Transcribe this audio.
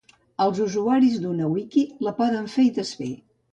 Els usuaris d'una wiki la poden fer i desfer.